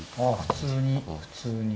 普通に普通に。